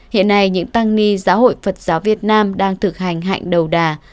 hiện nay những tăng ni giáo hội phật giáo việt nam đang thực hành hạnh đầu đà